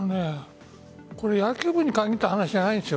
これ野球部に限った話じゃないです。